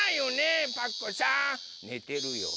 ねてるよ。